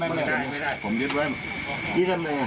ไม่ได้ผมยึดไว้